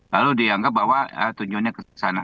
lalu dianggap bahwa tujuannya ke sana